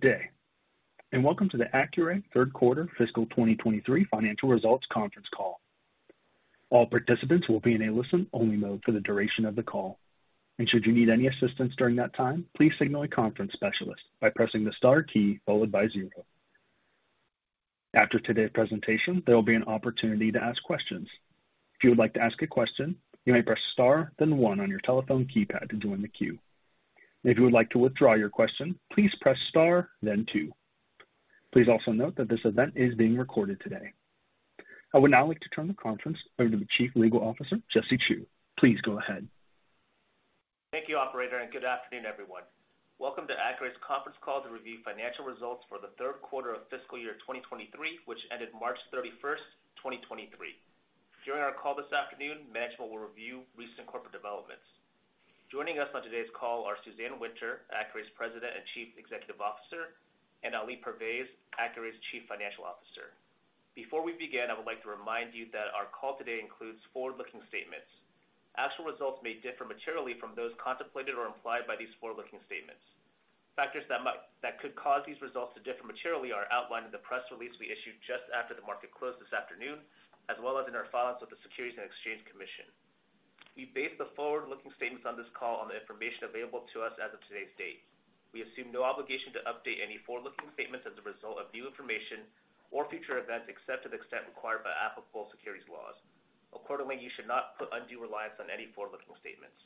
Good day. Welcome to the Accuray third quarter fiscal 2023 financial results conference call. All participants will be in a listen-only mode for the duration of the call. Should you need any assistance during that time, please signal a conference specialist by pressing the star key followed by zero. After today's presentation, there will be an opportunity to ask questions. If you would like to ask a question, you may press Star, then one on your telephone keypad to join the queue. If you would like to withdraw your question, please press star then two. Please also note that this event is being recorded today. I would now like to turn the conference over to the Chief Legal Officer, Jesse Chew. Please go ahead. Thank you operator, and good afternoon, everyone. Welcome to Accuray's conference call to review financial results for the third quarter of fiscal year 2023, which ended March 31st, 2023. During our call this afternoon, management will review recent corporate developments. Joining us on today's call are Suzanne Winter, Accuray's President and Chief Executive Officer, and Ali Pervaiz, Accuray's Chief Financial Officer. Before we begin, I would like to remind you that our call today includes forward-looking statements. Actual results may differ materially from those contemplated or implied by these forward-looking statements. Factors that could cause these results to differ materially are outlined in the press release we issued just after the market closed this afternoon, as well as in our filings with the Securities and Exchange Commission. We base the forward-looking statements on this call on the information available to us as of today's date. We assume no obligation to update any forward-looking statements as a result of new information or future events, except to the extent required by applicable securities laws. Accordingly, you should not put undue reliance on any forward-looking statements.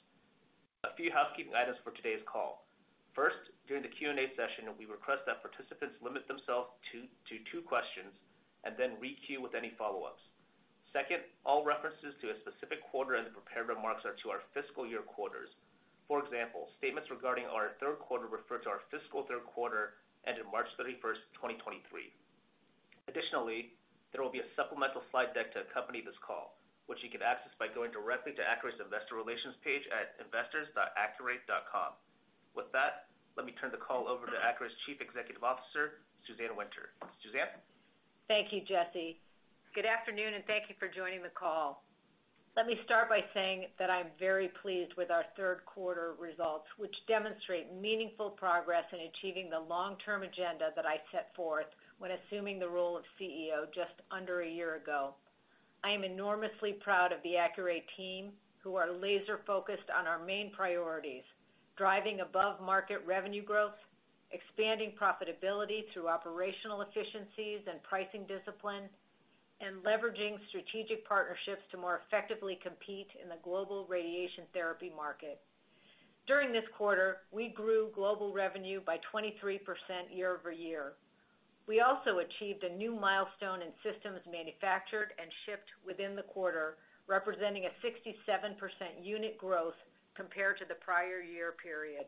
A few housekeeping items for today's call. First, during the Q&A session, we request that participants limit themselves to two questions and then re-queue with any follow-ups. Second, all references to a specific quarter in the prepared remarks are to our fiscal year quarters. For example, statements regarding our third quarter refer to our fiscal third quarter ending March 31, 2023. Additionally, there will be a supplemental slide deck to accompany this call, which you can access by going directly to Accuray's Investor Relations page at investors.accuray.com. With that, let me turn the call over to Accuray's Chief Executive Officer, Suzanne Winter. Suzanne? Thank you, Jesse. Good afternoon, thank you for joining the call. Let me start by saying that I'm very pleased with our third quarter results, which demonstrate meaningful progress in achieving the long-term agenda that I set forth when assuming the role of CEO just under a year ago. I am enormously proud of the Accuray team, who are laser-focused on our main priorities, driving above-market revenue growth, expanding profitability through operational efficiencies and pricing discipline, and leveraging strategic partnerships to more effectively compete in the global radiation therapy market. During this quarter, we grew global revenue by 23% year-over-year. We also achieved a new milestone in systems manufactured and shipped within the quarter, representing a 67% unit growth compared to the prior year period.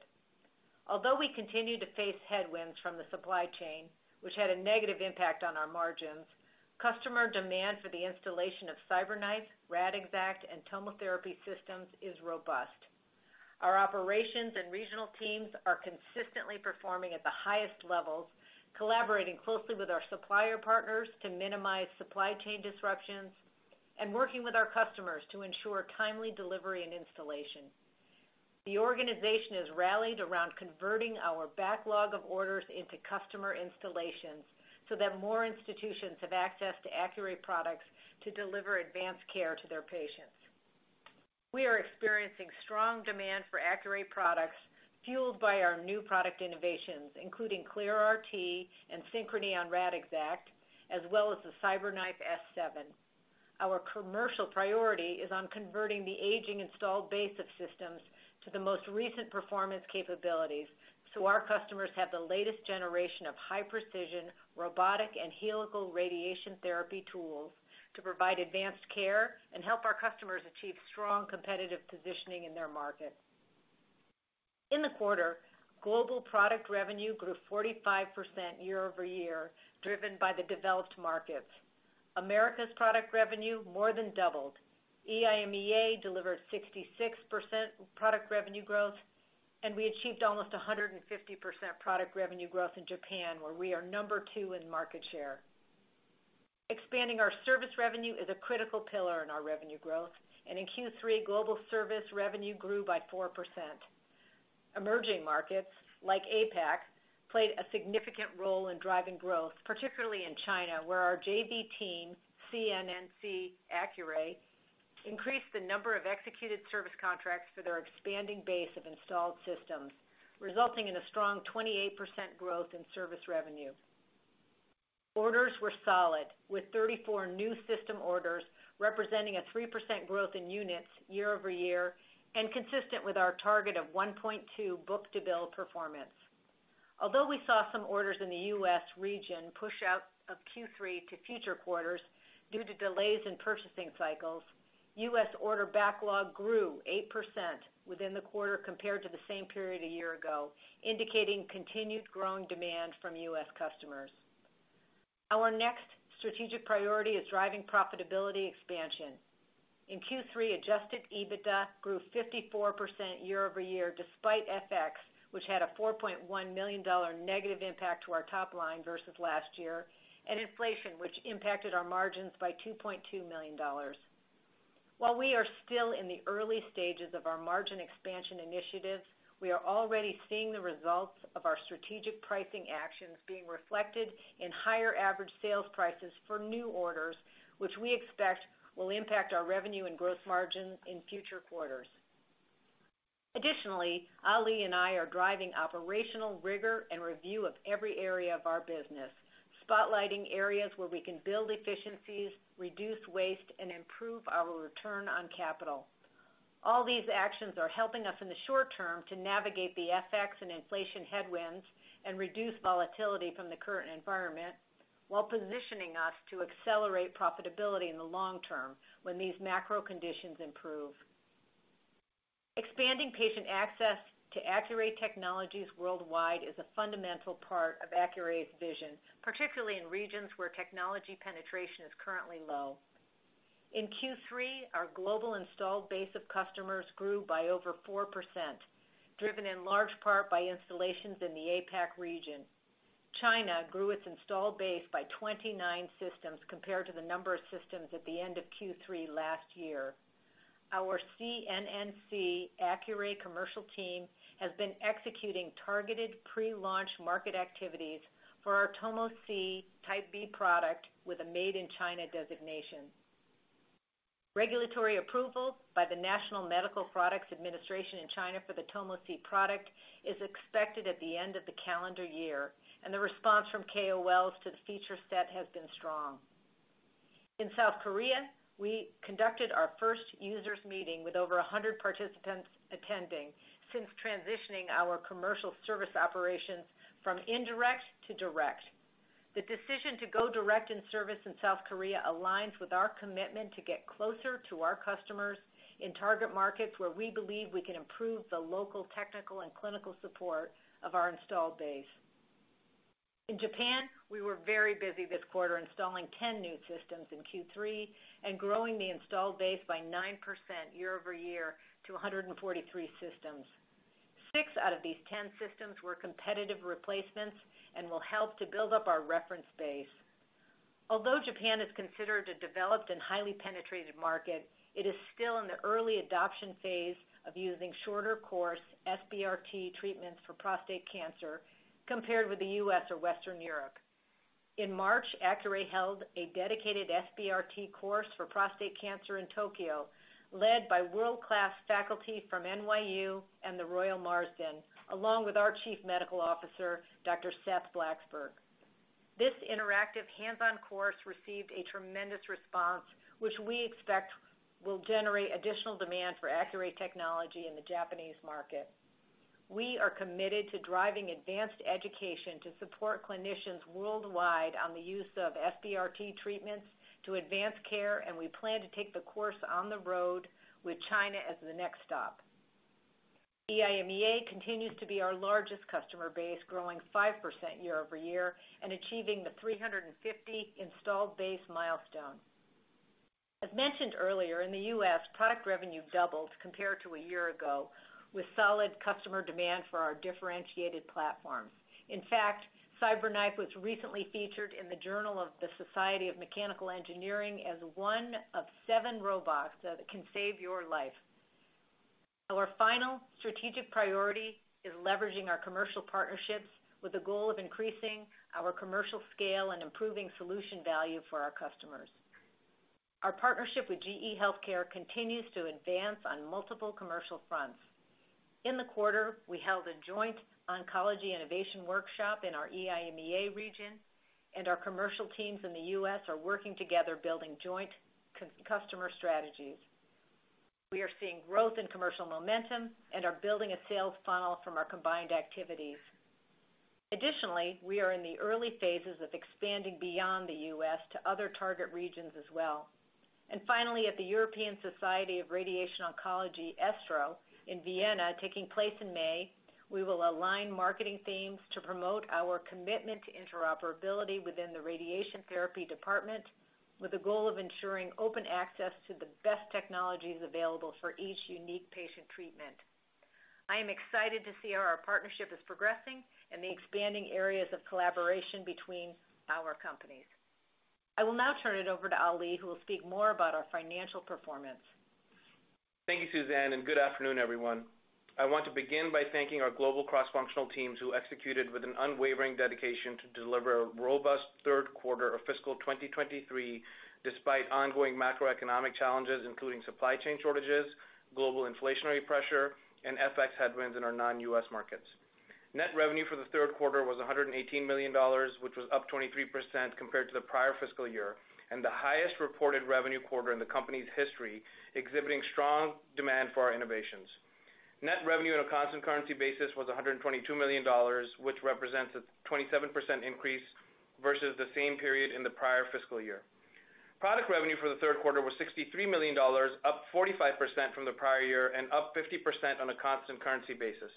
Although we continue to face headwinds from the supply chain, which had a negative impact on our margins, customer demand for the installation of CyberKnife, Radixact, and TomoTherapy systems is robust. Our operations and regional teams are consistently performing at the highest levels, collaborating closely with our supplier partners to minimize supply chain disruptions and working with our customers to ensure timely delivery and installation. The organization has rallied around converting our backlog of orders into customer installations so that more institutions have access to Accuray products to deliver advanced care to their patients. We are experiencing strong demand for Accuray products fueled by our new product innovations, including ClearRT and Synchrony on Radixact, as well as the CyberKnife S7. Our commercial priority is on converting the aging installed base of systems to the most recent performance capabilities, so our customers have the latest generation of high-precision robotic and helical radiation therapy tools to provide advanced care and help our customers achieve strong competitive positioning in their market. In the quarter, global product revenue grew 45% year-over-year, driven by the developed markets. America's product revenue more than doubled. EMEIA delivered 66% product revenue growth, and we achieved almost 150% product revenue growth in Japan, where we are number two in market share. Expanding our service revenue is a critical pillar in our revenue growth, and in Q3, global service revenue grew by 4%. Emerging markets, like APAC, played a significant role in driving growth, particularly in China, where our JV team, CNNC Accuray, increased the number of executed service contracts for their expanding base of installed systems, resulting in a strong 28% growth in service revenue. Orders were solid, with 34 new system orders, representing a 3% growth in units year-over-year and consistent with our target of 1.2 book-to-bill performance. We saw some orders in the US region push out of Q3 to future quarters due to delays in purchasing cycles, US order backlog grew 8% within the quarter compared to the same period a year ago, indicating continued growing demand from US customers. Our next strategic priority is driving profitability expansion. In Q3, adjusted EBITDA grew 54% year-over-year despite FX, which had a $4.1 million negative impact to our top line versus last year, and inflation, which impacted our margins by $2.2 million. While we are still in the early stages of our margin expansion initiatives, we are already seeing the results of our strategic pricing actions being reflected in higher average sales prices for new orders, which we expect will impact our revenue and gross margin in future quarters. Ali and I are driving operational rigor and review of every area of our business, spotlighting areas where we can build efficiencies, reduce waste, and improve our return on capital. All these actions are helping us in the short term to navigate the FX and inflation headwinds and reduce volatility from the current environment while positioning us to accelerate profitability in the long term when these macro conditions improve. Expanding patient access to Accuray technologies worldwide is a fundamental part of Accuray's vision, particularly in regions where technology penetration is currently low. In Q3, our global installed base of customers grew by over 4%, driven in large part by installations in the APAC region. China grew its installed base by 29 systems compared to the number of systems at the end of Q3 last year. Our CNNC Accuray commercial team has been executing targeted pre-launch market activities for our Tomo C Type B product with a Made in China designation. Regulatory approval by the National Medical Products Administration in China for the Tomo C product is expected at the end of the calendar year, the response from KOLs to the feature set has been strong. In South Korea, we conducted our first users meeting with over 100 participants attending since transitioning our commercial service operations from indirect to direct. The decision to go direct in service in South Korea aligns with our commitment to get closer to our customers in target markets where we believe we can improve the local technical and clinical support of our installed base. In Japan, we were very busy this quarter, installing 10 new systems in Q3 and growing the installed base by 9% year-over-year to 143 systems. Six out of these 10 systems were competitive replacements and will help to build up our reference base. Although Japan is considered a developed and highly penetrated market, it is still in the early adoption phase of using shorter course SBRT treatments for prostate cancer compared with the U.S. or Western Europe. In March, Accuray held a dedicated SBRT course for prostate cancer in Tokyo, led by world-class faculty from NYU and The Royal Marsden, along with our Chief Medical Officer, Dr. Seth Blacksburg. This interactive hands-on course received a tremendous response, which we expect will generate additional demand for Accuray technology in the Japanese market. We are committed to driving advanced education to support clinicians worldwide on the use of SBRT treatments to advance care, and we plan to take the course on the road with China as the next stop. EMEIA continues to be our largest customer base, growing 5% year-over-year and achieving the 350 installed base milestone. As mentioned earlier, in the U.S., product revenue doubled compared to a year ago, with solid customer demand for our differentiated platform. In fact, CyberKnife was recently featured in the Journal of the American Society of Mechanical Engineers as one of seven robots that can save your life. Our final strategic priority is leveraging our commercial partnerships with the goal of increasing our commercial scale and improving solution value for our customers. Our partnership with GE HealthCare continues to advance on multiple commercial fronts. In the quarter, we held a joint oncology innovation workshop in our EMEIA region, and our commercial teams in the U.S. are working together building joint customer strategies. We are seeing growth in commercial momentum and are building a sales funnel from our combined activities. Additionally, we are in the early phases of expanding beyond the U.S. to other target regions as well. Finally, at the European Society for Radiotherapy and Oncology, ESTRO, in Vienna, taking place in May, we will align marketing themes to promote our commitment to interoperability within the radiation therapy department with the goal of ensuring open access to the best technologies available for each unique patient treatment. I am excited to see how our partnership is progressing and the expanding areas of collaboration between our companies. I will now turn it over to Ali, who will speak more about our financial performance. Thank you, Suzanne, and good afternoon, everyone. I want to begin by thanking our global cross-functional teams who executed with an unwavering dedication to deliver a robust third quarter of fiscal 2023 despite ongoing macroeconomic challenges, including supply chain shortages, global inflationary pressure, and FX headwinds in our non-U.S. markets. Net revenue for the third quarter was $118 million, which was up 23% compared to the prior fiscal year and the highest reported revenue quarter in the company's history, exhibiting strong demand for our innovations. Net revenue on a constant currency basis was $122 million, which represents a 27% increase versus the same period in the prior fiscal year. Product revenue for the third quarter was $63 million, up 45% from the prior year and up 50% on a constant currency basis.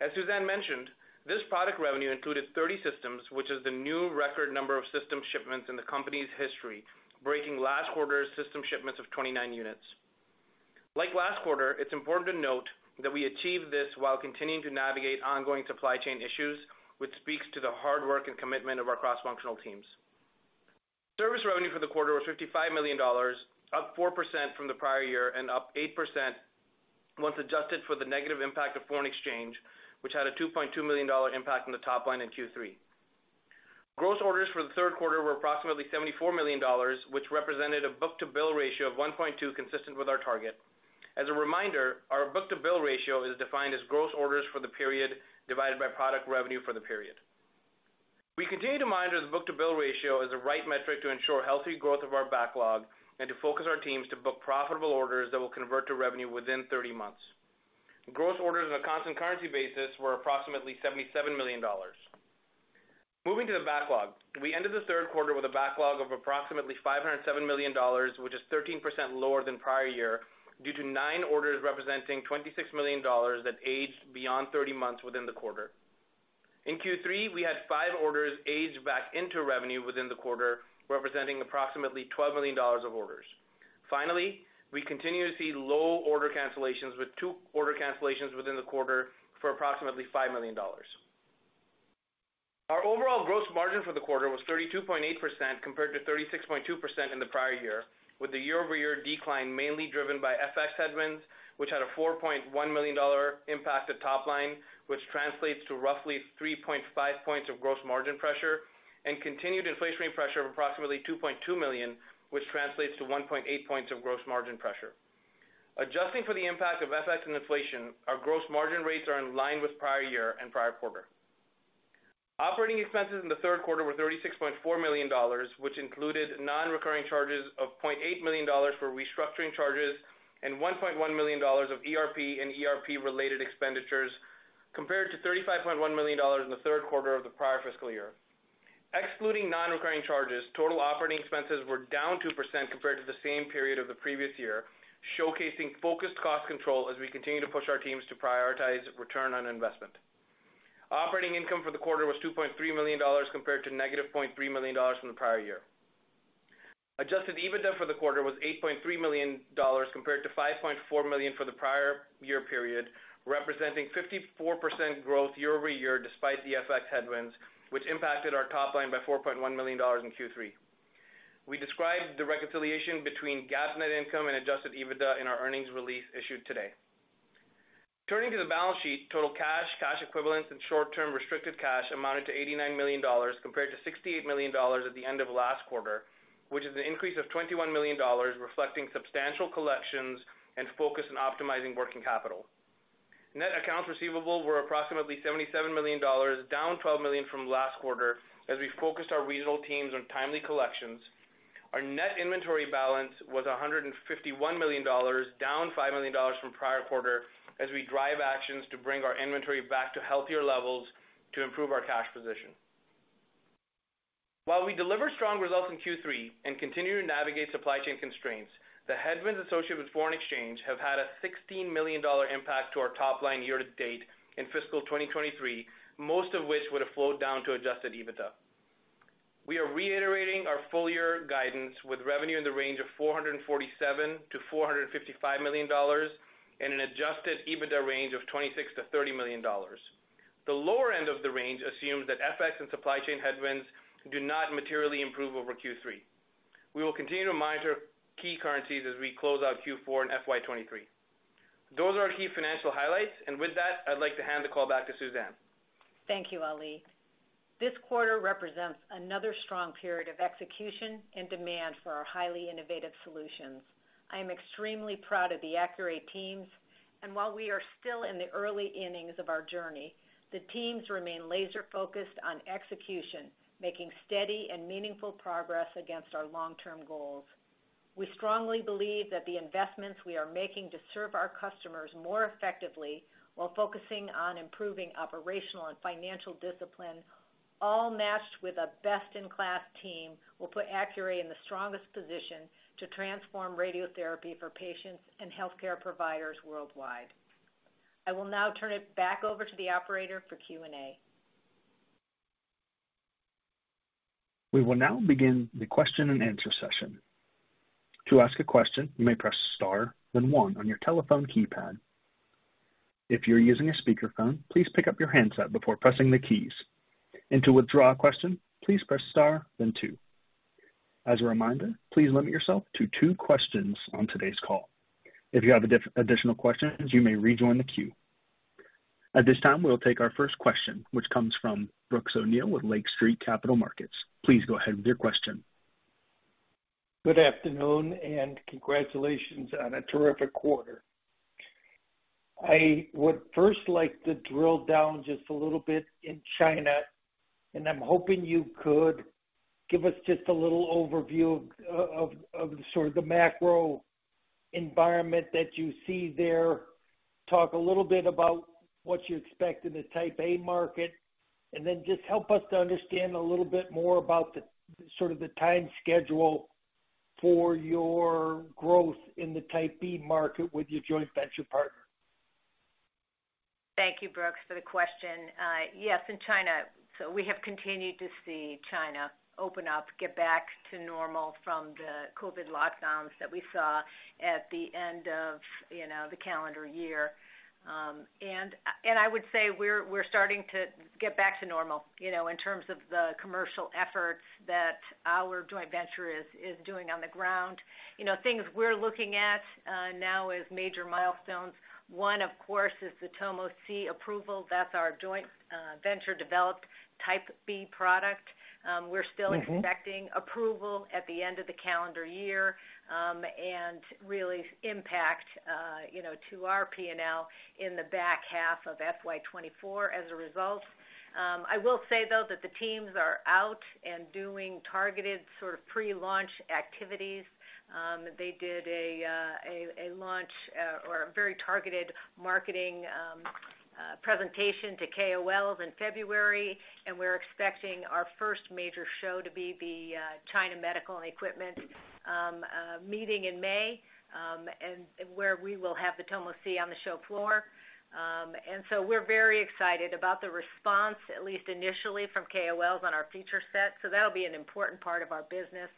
As Suzanne mentioned, this product revenue included 30 systems, which is the new record number of system shipments in the company's history, breaking last quarter's system shipments of 29 units. Like last quarter, it's important to note that we achieved this while continuing to navigate ongoing supply chain issues, which speaks to the hard work and commitment of our cross-functional teams. Service revenue for the quarter was $55 million, up 4% from the prior year and up 8% once adjusted for the negative impact of foreign exchange, which had a $2.2 million impact on the top line in Q3. Gross orders for the third quarter were approximately $74 million, which represented a book-to-bill ratio of 1.2, consistent with our target. As a reminder, our book-to-bill ratio is defined as gross orders for the period divided by product revenue for the period. We continue to monitor the book-to-bill ratio as the right metric to ensure healthy growth of our backlog and to focus our teams to book profitable orders that will convert to revenue within 30 months. Gross orders on a constant currency basis were approximately $77 million. Moving to the backlog. We ended the third quarter with a backlog of approximately $507 million, which is 13% lower than prior year, due to nine orders representing $26 million that aged beyond 30 months within the quarter. In Q3, we had five orders aged back into revenue within the quarter, representing approximately $12 million of orders. We continue to see low order cancellations with 2 order cancellations within the quarter for approximately $5 million. Our overall gross margin for the quarter was 32.8% compared to 36.2% in the prior year, with the year-over-year decline mainly driven by FX headwinds, which had a $4.1 million impact at top line, which translates to roughly 3.5 points of gross margin pressure and continued inflation pressure of approximately $2.2 million, which translates to 1.8 points of gross margin pressure. Adjusting for the impact of FX and inflation, our gross margin rates are in line with prior year and prior quarter. Operating expenses in the third quarter were $36.4 million, which included non-recurring charges of $0.8 million for restructuring charges and $1.1 million of ERP and ERP related expenditures, compared to $35.1 million in the third quarter of the prior fiscal year. Excluding non-recurring charges, total operating expenses were down 2% compared to the same period of the previous year, showcasing focused cost control as we continue to push our teams to prioritize return on investment. Operating income for the quarter was $2.3 million compared to -$0.3 million from the prior year. adjusted EBITDA for the quarter was $8.3 million compared to $5.4 million for the prior year period, representing 54% growth year-over-year, despite the FX headwinds, which impacted our top line by $4.1 million in Q3. We described the reconciliation between GAAP net income and adjusted EBITDA in our earnings release issued today. Turning to the balance sheet, total cash equivalents and short-term restricted cash amounted to $89 million compared to $68 million at the end of last quarter, which is an increase of $21 million, reflecting substantial collections and focus on optimizing working capital. Net accounts receivable were approximately $77 million, down $12 million from last quarter as we focused our regional teams on timely collections. Our net inventory balance was $151 million, down $5 million from prior quarter as we drive actions to bring our inventory back to healthier levels to improve our cash position. While we delivered strong results in Q3 and continue to navigate supply chain constraints, the headwinds associated with foreign exchange have had a $16 million impact to our top line year-to-date in fiscal 2023, most of which would have flowed down to adjusted EBITDA. We are reiterating our full year guidance with revenue in the range of $447 million-$455 million and an adjusted EBITDA range of $26 million-$30 million. The lower end of the range assumes that FX and supply chain headwinds do not materially improve over Q3. We will continue to monitor key currencies as we close out Q4 and FY 2023. Those are our key financial highlights. With that, I'd like to hand the call back to Suzanne. Thank you, Ali. This quarter represents another strong period of execution and demand for our highly innovative solutions. I am extremely proud of the Accuray teams, and while we are still in the early innings of our journey, the teams remain laser focused on execution, making steady and meaningful progress against our long-term goals. We strongly believe that the investments we are making to serve our customers more effectively while focusing on improving operational and financial discipline, all matched with a best in class team, will put Accuray in the strongest position to transform radiotherapy for patients and healthcare providers worldwide. I will now turn it back over to the operator for Q&A. We will now begin the question and answer session. To ask a question, you may press star, then one on your telephone keypad. If you're using a speakerphone, please pick up your handset before pressing the keys. To withdraw a question, please press star then two. As a reminder, please limit yourself to two questions on today's call. If you have additional questions, you may rejoin the queue. At this time, we'll take our first question, which comes from Brooks O'Neil with Lake Street Capital Markets. Please go ahead with your question. Good afternoon and congratulations on a terrific quarter. I would first like to drill down just a little bit in China, and I'm hoping you could give us just a little overview of sort of the macro environment that you see there. Talk a little bit about what you expect in the Type A market, and then just help us to understand a little bit more about the sort of the time schedule for your growth in the Type B market with your joint venture partner. Thank you, Brooks, for the question. Yes, in China. We have continued to see China open up, get back to normal from the COVID lockdowns that we saw at the end of, you know, the calendar year. And I would say we're starting to get back to normal, you know, in terms of the commercial efforts that our joint venture is doing on the ground. You know, things we're looking at now as major milestones. One, of course, is the Tomo C approval. That's our joint venture-developed Type B product. We're still expecting- Mm-hmm Approval at the end of the calendar year, and really impact, you know, to our P&L in the back half of FY 2024 as a result. I will say, though, that the teams are out and doing targeted sort of pre-launch activities. They did a launch or a very targeted marketing presentation to KOLs in February, and we're expecting our first major show to be the China Medical and Equipment meeting in May, and where we will have the Tomo C on the show floor. We're very excited about the response, at least initially, from KOLs on our feature set, so that'll be an important part of our business.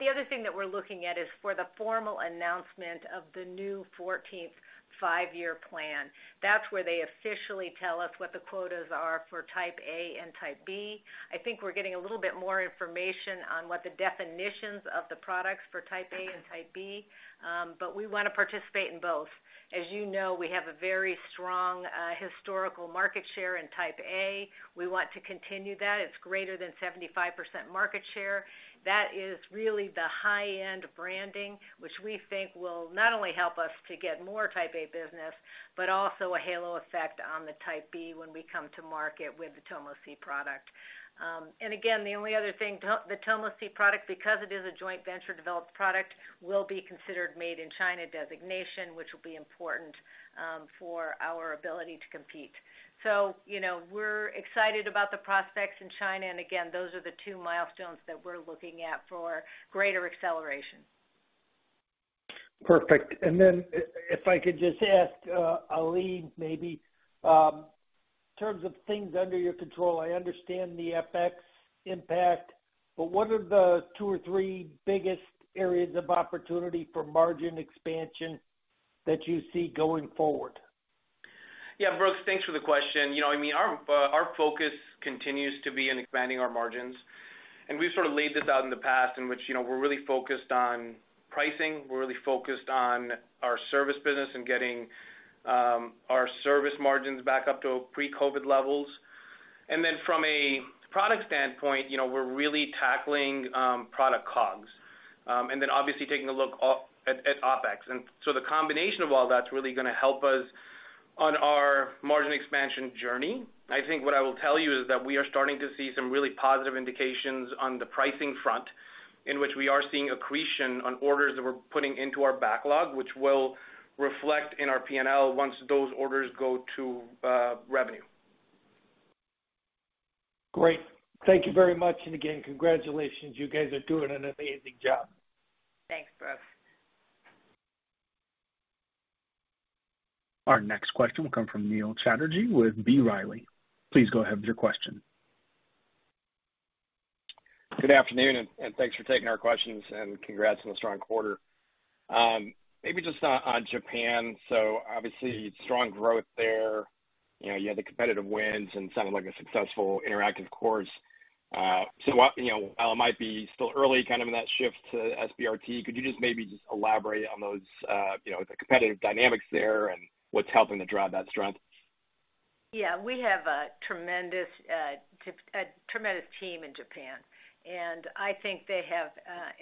The other thing that we're looking at is for the formal announcement of the new 14th Five-Year Plan. That's where they officially tell us what the quotas are for Type A and Type B. I think we're getting a little bit more information on what the definitions of the products for Type A and Type B, but we wanna participate in both. As you know, we have a very strong historical market share in Type A. We want to continue that. It's greater than 75% market share. That is really the high-end branding, which we think will not only help us to get more Type A business, but also a halo effect on the Type B when we come to market with the Tomo C product. Again, the only other thing, the Tomo C product, because it is a joint venture-developed product, will be considered made in China designation, which will be important for our ability to compete. You know, we're excited about the prospects in China, and again, those are the two milestones that we're looking at for greater acceleration. Perfect. If I could just ask Ali maybe, in terms of things under your control, I understand the FX impact, but what are the two or three biggest areas of opportunity for margin expansion that you see going forward? Yeah. Brooks, thanks for the question. You know, I mean, our focus continues to be in expanding our margins. We've sort of laid this out in the past in which, you know, we're really focused on pricing. We're really focused on our service business and getting our service margins back up to pre-COVID levels. From a product standpoint, you know, we're really tackling product COGS, and then obviously taking a look at OpEx. The combination of all that's really gonna help us on our margin expansion journey. I think what I will tell you is that we are starting to see some really positive indications on the pricing front, in which we are seeing accretion on orders that we're putting into our backlog, which will reflect in our P&L once those orders go to revenue. Great. Thank you very much. Again, congratulations. You guys are doing an amazing job. Thanks, Brooks. Our next question will come from Neil Chatterji with B. Riley. Please go ahead with your question. Thanks for taking our questions, and congrats on a strong quarter. Maybe just on Japan. Obviously strong growth there. You know, you had the competitive wins and sounded like a successful interactive course. You know, while it might be still early kind of in that shift to SBRT, could you just maybe just elaborate on those, you know, the competitive dynamics there and what's helping to drive that strength? Yeah. We have a tremendous team in Japan, I think they have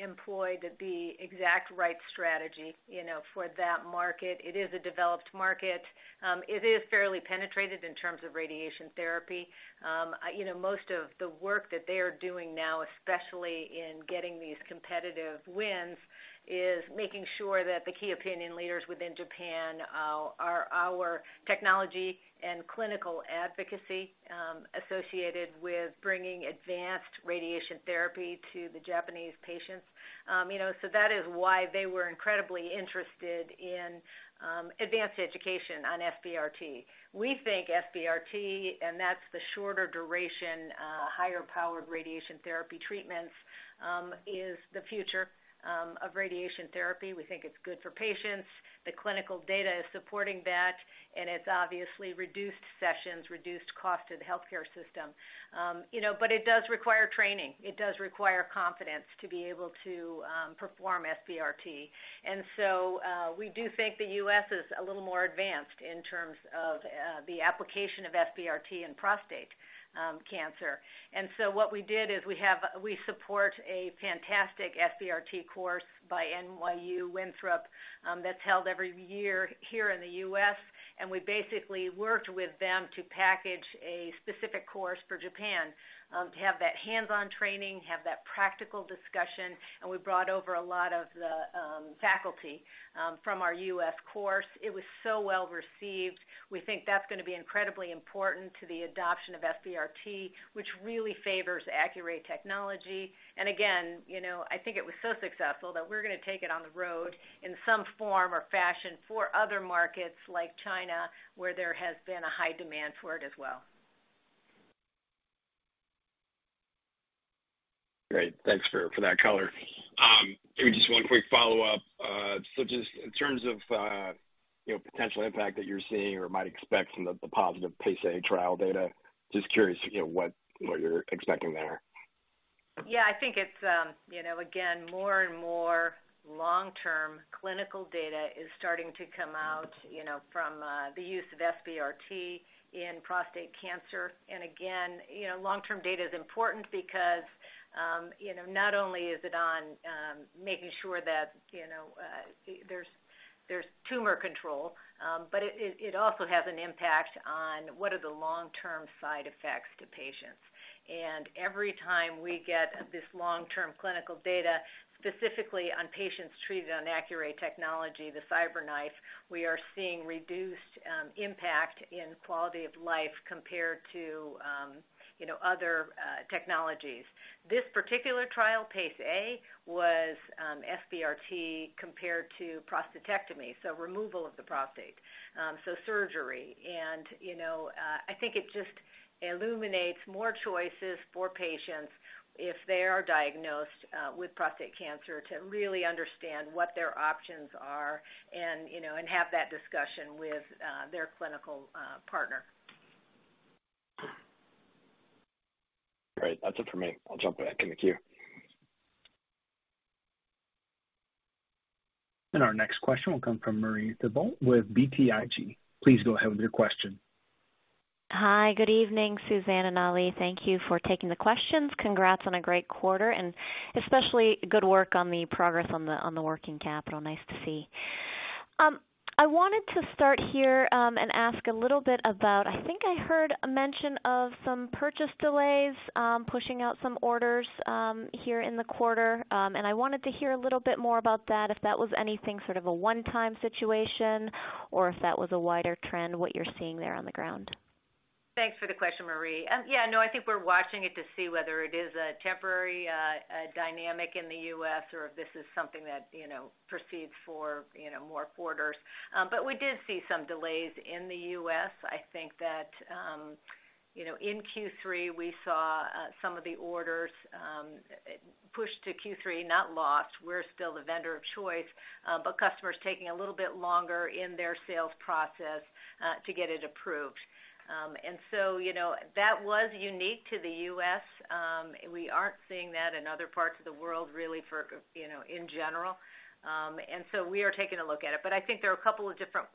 employed the exact right strategy, you know, for that market. It is a developed market. It is fairly penetrated in terms of radiation therapy. You know, most of the work that they are doing now, especially in getting these competitive wins, is making sure that the Key Opinion Leaders within Japan are our technology and clinical advocacy associated with bringing advanced radiation therapy to the Japanese patients. You know, that is why they were incredibly interested in advanced education on SBRT. We think SBRT, that's the shorter duration, higher powered radiation therapy treatments, is the future of radiation therapy. We think it's good for patients. The clinical data is supporting that, it's obviously reduced sessions, reduced cost to the healthcare system. you know, but it does require training. It does require confidence to be able to perform SBRT. we do think the US is a little more advanced in terms of the application of SBRT in prostate cancer. what we did is we support a fantastic SBRT course by NYU Winthrop that's held every year here in the US, and we basically worked with them to package a specific course for Japan to have that hands-on training, have that practical discussion, and we brought over a lot of the faculty from our US course. It was so well received. We think that's gonna be incredibly important to the adoption of SBRT, which really favors Accuray technology. Again, you know, I think it was so successful that we're gonna take it on the road in some form or fashion for other markets like China, where there has been a high demand for it as well. Great. Thanks for that color. Maybe just one quick follow-up. Just in terms of, you know, potential impact that you're seeing or might expect from the positive PACE-A trial data, just curious, you know, what you're expecting there. Yeah, I think it's, you know, again, more and more long-term clinical data is starting to come out, you know, from the use of SBRT in prostate cancer. Again, you know, long-term data is important because, you know, not only is it on making sure that, you know, there's tumor control, but it also has an impact on what are the long-term side effects to patients. Every time we get this long-term clinical data, specifically on patients treated on Accuray technology, the CyberKnife, we are seeing reduced impact in quality of life compared to, you know, other technologies. This particular trial, PACE-A, was SBRT compared to prostatectomy, so removal of the prostate, so surgery. you know, I think it just illuminates more choices for patients if they are diagnosed with prostate cancer to really understand what their options are and, you know, and have that discussion with their clinical partner. Great. That's it for me. I'll jump back in the queue. Our next question will come from Marie Thibault with BTIG. Please go ahead with your question. Hi, good evening, Suzanne and Ali. Thank you for taking the questions. Congrats on a great quarter, especially good work on the progress on the working capital. Nice to see. I wanted to start here, ask a little bit about, I think I heard a mention of some purchase delays, pushing out some orders here in the quarter. I wanted to hear a little bit more about that, if that was anything sort of a one-time situation or if that was a wider trend, what you're seeing there on the ground. Thanks for the question, Marie. Yeah, no, I think we're watching it to see whether it is a temporary dynamic in the U.S. or if this is something that, you know, proceeds for, you know, more quarters. We did see some delays in the U.S. I think that, you know, in Q3, we saw some of the orders pushed to Q3, not lost. We're still the vendor of choice, but customers taking a little bit longer in their sales process to get it approved. You know, that was unique to the U.S. We aren't seeing that in other parts of the world really for, you know, in general. We are taking a look at it. I think there are a couple of different,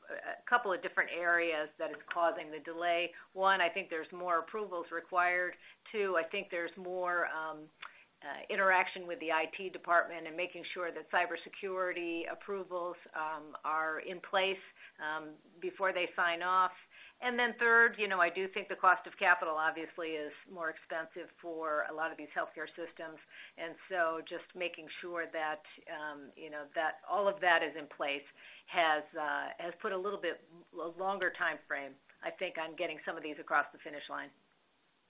couple of different areas that is causing the delay. One, I think there's more approvals required. Two, I think there's more interaction with the IT department and making sure that cybersecurity approvals are in place before they sign off. Third, you know, I do think the cost of capital obviously is more expensive for a lot of these healthcare systems. Just making sure that, you know, that all of that is in place has put a little bit longer timeframe, I think, on getting some of these across the finish line.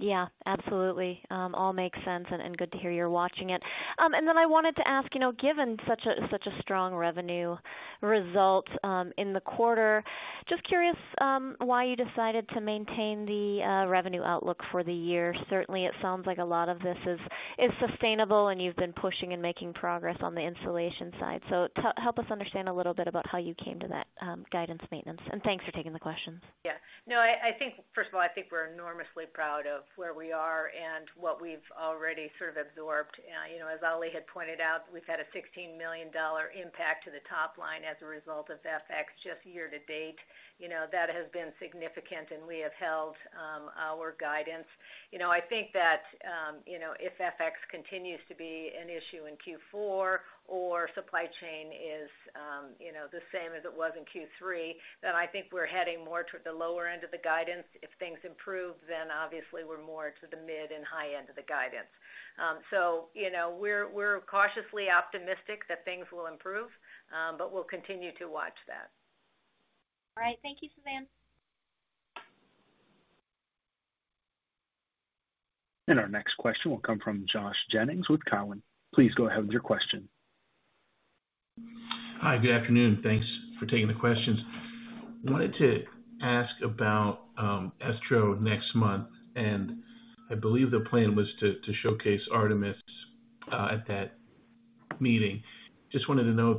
Yeah, absolutely. All makes sense and good to hear you're watching it. I wanted to ask, you know, given such a, such a strong revenue result in the quarter, just curious why you decided to maintain the revenue outlook for the year? Certainly, it sounds like a lot of this is sustainable and you've been pushing and making progress on the installation side. Help us understand a little bit about how you came to that guidance maintenance. Thanks for taking the questions. Yeah. No, I think first of all, I think we're enormously proud of where we are and what we've already sort of absorbed. You know, as Ali had pointed out, we've had a $16 million impact to the top line as a result of FX just year to date. You know, that has been significant, We have held our guidance. You know, I think that, you know, if FX continues to be an issue in Q4 or supply chain is, you know, the same as it was in Q3, I think we're heading more to the lower end of the guidance. If things improve, obviously we're more to the mid and high end of the guidance. You know, we're cautiously optimistic that things will improve, but we'll continue to watch that. All right. Thank you, Suzanne. Our next question will come from Josh Jennings with Cowen. Please go ahead with your question. Hi, good afternoon. Thanks for taking the questions. Wanted to ask about ESTRO next month, and I believe the plan was to showcase Artemis at that meeting. Just wanted to know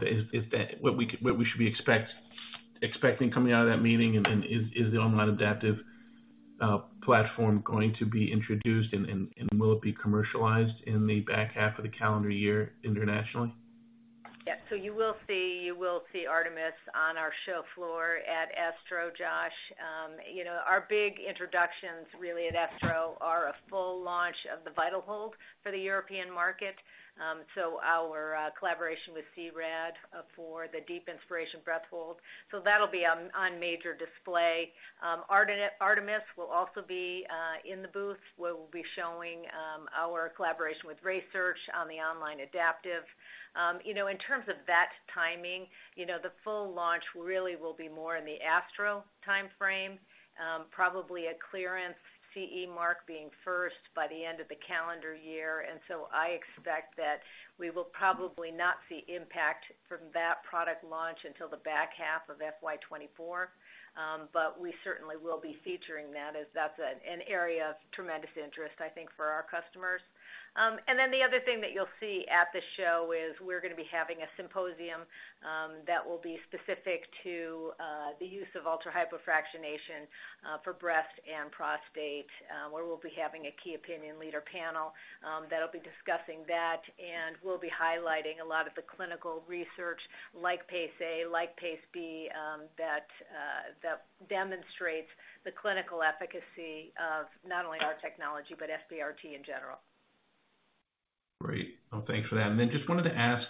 what we should be expecting coming out of that meeting, and is the online adaptive platform going to be introduced and will it be commercialized in the back half of the calendar year internationally? You will see, you will see Artemis on our show floor at ESTRO, Josh. You know, our big introductions really at ESTRO are a full launch of the VitalHold for the European market, so our collaboration with C-Rad for the deep inspiration breath hold. That'll be on major display. Artemis will also be in the booth, where we'll be showing our collaboration with RaySearch on the online adaptive. You know, in terms of that timing, you know, the full launch really will be more in the ESTRO timeframe, probably a clearance CE mark being first by the end of the calendar year. I expect that we will probably not see impact from that product launch until the back half of FY 2024. We certainly will be featuring that as that's an area of tremendous interest, I think, for our customers. Then the other thing that you'll see at the show is we're gonna be having a symposium that will be specific to the use of ultra-hypofractionation for breast and prostate, where we'll be having a key opinion leader panel that'll be discussing that. We'll be highlighting a lot of the clinical research like PACE-A, like PACE-B, that demonstrates the clinical efficacy of not only our technology but SBRT in general. Great. Well, thanks for that. Just wanted to ask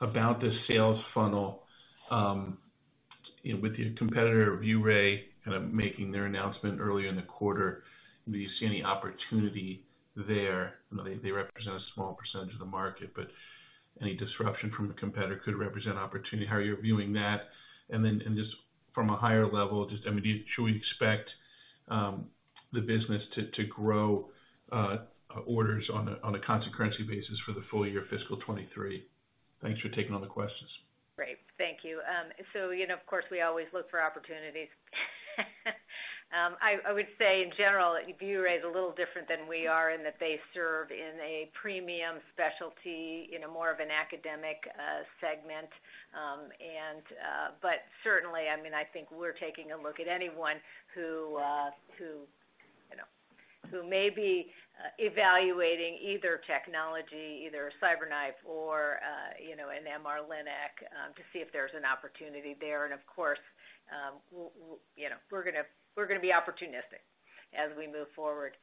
about the sales funnel. you know, with your competitor, ViewRay, kind of making their announcement earlier in the quarter, do you see any opportunity there? I know they represent a small % of the market, but any disruption from a competitor could represent opportunity. How are you viewing that? In this, from a higher level, just, I mean, should we expect the business to grow orders on a constant currency basis for the full year fiscal 2023? Thanks for taking all the questions. Great, thank you. you know, of course, we always look for opportunities. I would say in general, ViewRay is a little different than we are in that they serve in a premium specialty, in a more of an academic segment. but certainly, I mean, I think we're taking a look at anyone who, you know, who may be evaluating either technology, either CyberKnife or, you know, an MR-Linac, to see if there's an opportunity there. Of course, you know, we're gonna be opportunistic as we move forward.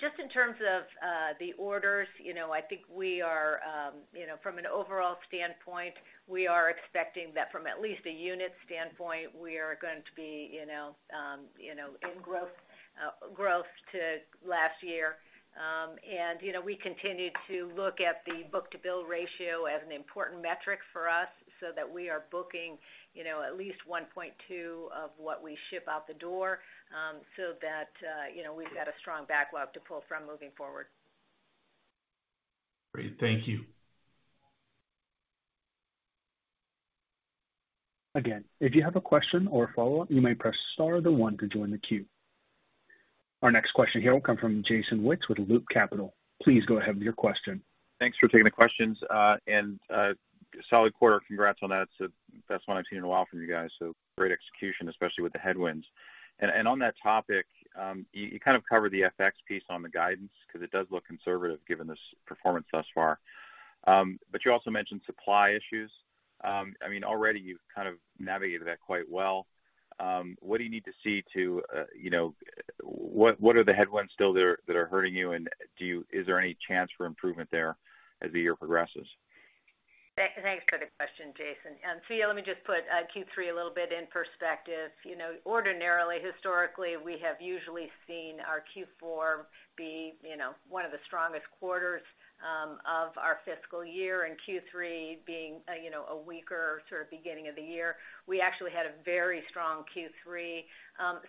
Just in terms of the orders, I think we are, from an overall standpoint, we are expecting that from at least a unit standpoint, we are going to be in growth to last year. We continue to look at the book-to-bill ratio as an important metric for us so that we are booking at least 1.2 of what we ship out the door so that we've got a strong backlog to pull from moving forward. Great. Thank you. Again, if you have a question or follow-up, you may press star then one to join the queue. Our next question here will come from Jason Wittes with Loop Capital. Please go ahead with your question. Thanks for taking the questions. solid quarter. Congrats on that. It's the best one I've seen in a while from you guys, so great execution, especially with the headwinds. On that topic, you kind of covered the FX piece on the guidance because it does look conservative given this performance thus far. You also mentioned supply issues. I mean, already you've kind of navigated that quite well. What do you need to see to, you know? What are the headwinds still there that are hurting you, and is there any chance for improvement there as the year progresses? Thanks for the question, Jason. Yeah, let me just put Q3 a little bit in perspective. You know, ordinarily, historically, we have usually seen our Q4 be, you know, one of the strongest quarters of our fiscal year, Q3 being, you know, a weaker sort of beginning of the year. We actually had a very strong Q3.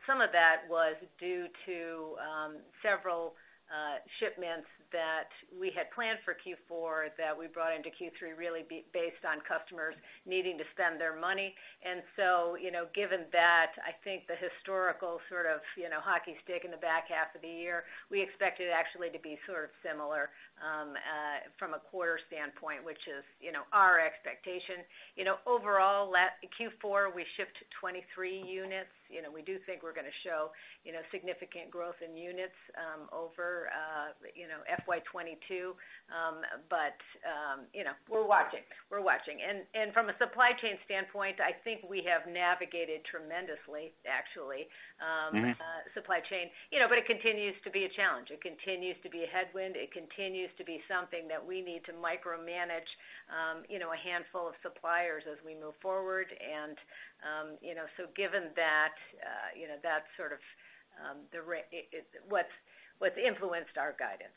Some of that was due to several shipments that we had planned for Q4 that we brought into Q3 really based on customers needing to spend their money. You know, given that, I think the historical sort of, you know, hockey stick in the back half of the year, we expect it actually to be sort of similar from a quarter standpoint, which is, you know, our expectation. You know, overall, Q4, we shipped 23 units. You know, we do think we're gonna show, you know, significant growth in units, over, you know, FY 22. You know, we're watching. From a supply chain standpoint, I think we have navigated tremendously actually, supply chain. You know, but it continues to be a challenge. It continues to be a headwind. It continues to be something that we need to micromanage, you know, a handful of suppliers as we move forward. Given that, you know, that's sort of, what's influenced our guidance.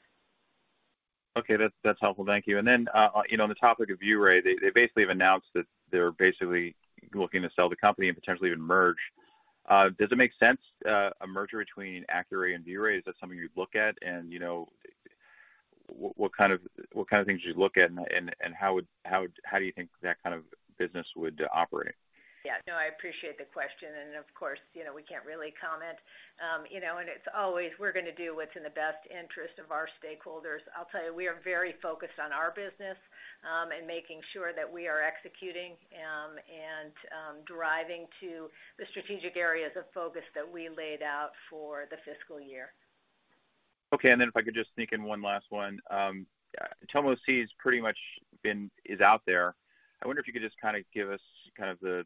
Okay. That's, that's helpful. Thank you. You know, on the topic of ViewRay, they basically have announced that they're basically looking to sell the company and potentially even merge. Does it make sense, a merger between Accuray and ViewRay? Is that something you'd look at? You know, what kind of, what kind of things do you look at and, and how do you think that kind of business would operate? Yeah. No, I appreciate the question, and of course, you know, we can't really comment. You know, it's always we're gonna do what's in the best interest of our stakeholders. I'll tell you, we are very focused on our business and making sure that we are executing and driving to the strategic areas of focus that we laid out for the fiscal year. Okay. Then if I could just sneak in one last one. Tomo C is out there. I wonder if you could just kind of give us the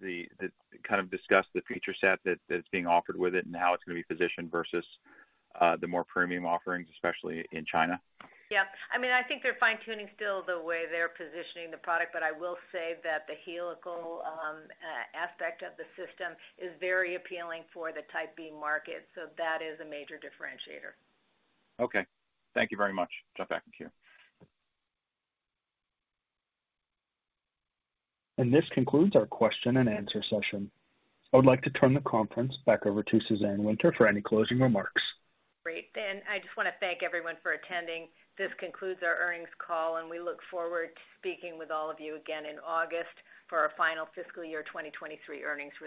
kind of discuss the feature set that's being offered with it and how it's gonna be positioned versus the more premium offerings, especially in China. Yeah. I mean, I think they're fine-tuning still the way they're positioning the product, but I will say that the helical aspect of the system is very appealing for the Type B market, so that is a major differentiator. Okay. Thank you very much. Jump back in queue. This concludes our question and answer session. I would like to turn the conference back over to Suzanne Winter for any closing remarks. Great. I just wanna thank everyone for attending. This concludes our earnings call, and we look forward to speaking with all of you again in August for our final fiscal year 2023 earnings release.